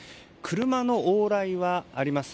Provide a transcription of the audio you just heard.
車の往来はあります。